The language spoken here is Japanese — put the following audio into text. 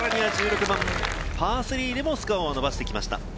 パー３でもスコアを伸ばしてきました。